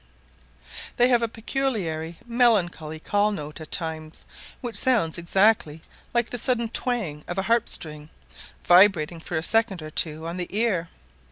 They have a peculiarly melancholy call note at times, which sounds exactly like the sudden twang of a harp string, vibrating for a second or two on the ear.